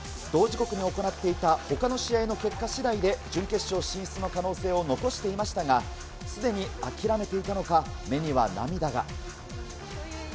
同時刻に行っていたほかの試合の結果しだいで、準決勝進出の可能性を残していましたが、すでに諦めていたのか、目には涙が。